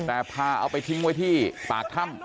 แต่พาเอาไปทิ้งไว้ที่ปากถ้ำ